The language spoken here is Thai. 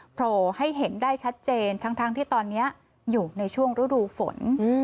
โผล่ให้เห็นได้ชัดเจนทั้งที่ตอนนี้อยู่ในช่วงฤดูฝน